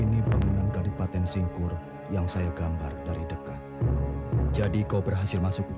ini bangunan gadipaten singkur yang saya gambar dari dekat jadi kau berhasil masuk